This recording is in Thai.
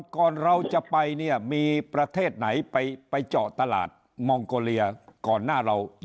ก่อนเราจะไปเนี่ยมีประเทศไหนไปเจาะตลาดมองโกเลียก่อนหน้าเรา